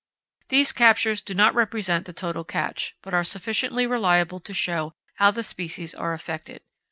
These captures do not represent the total catch, but are sufficiently reliable to show how the species are affected.